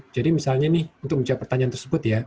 jadi misalnya untuk menjawab pertanyaan tersebut